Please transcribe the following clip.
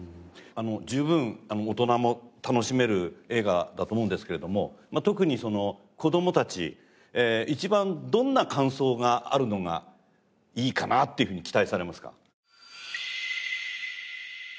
十分大人も楽しめる映画だと思うんですけれども特に子どもたち一番どんな感想があるのがいいかなっていうふうに期待されますか？